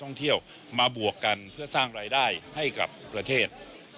ท่องเที่ยวมาบวกกันเพื่อสร้างรายได้ให้กับประเทศ